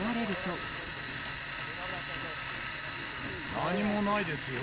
何もないですよ。